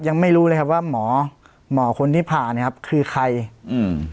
ยังไม่รู้เลยครับว่าหมอหมอคนที่ผ่าเนี้ยครับคือใครอืม